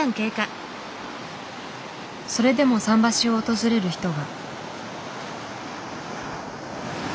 それでも桟橋を訪れる人が。